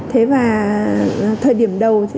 thời điểm đầu